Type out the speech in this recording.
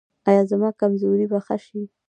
ایا زما کمزوري به ښه شي؟